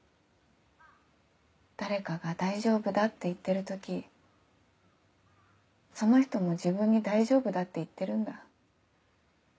誰かが「大丈夫だ」って言ってる時その人も自分に「大丈夫だ」って言ってるんだ。